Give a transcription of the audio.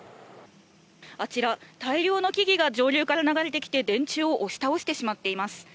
あちら、大量の木々が上流から流れてきて電柱を押し倒してしまっています。